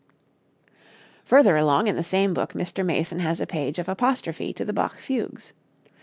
Further along in the same book Mr. Mason has a page of apostrophe to the Bach fugues.